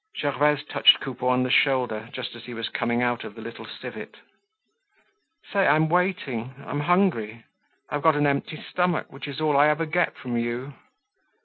Gervaise touched Coupeau on the shoulder just as he was coming out of the little Civet. "Say, I'm waiting; I'm hungry! I've got an empty stomach which is all I ever get from you."